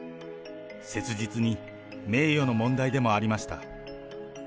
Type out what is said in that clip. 切実に名誉の問題でもありました。